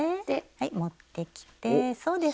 はい持ってきてそうです。